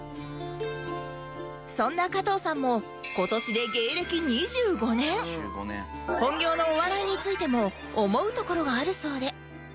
そんな加藤さんも今年で本業のお笑いについても思うところがあるそうで